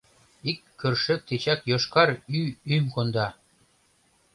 Ик кӧршӧк тичак йошкар ӱ-ӱм конда!..»